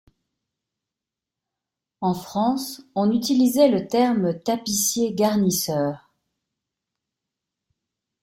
En France, on utilisait le terme Tapissier Garnisseur.